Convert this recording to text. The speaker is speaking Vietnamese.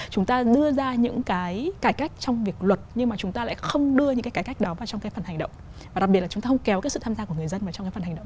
mà trong cái phần hành động của mình